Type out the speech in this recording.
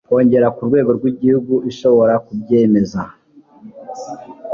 kongere ku rwego rw'igihugu ishobora kubyemeza